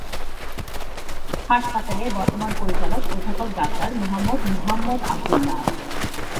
হাসপাতালের বর্তমান পরিচালক অধ্যাপক ডাক্তার মোহাম্মদ মুহাম্মদ আবদুল্লাহ।